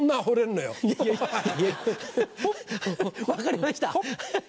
分かりました。